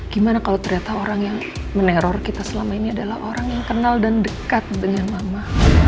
gimana kalau ternyata orang yang meneror kita selama ini adalah orang yang kenal dan dekat dengan mama